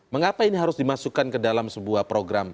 mengapa ini harus dimasukkan ke dalam sebuah program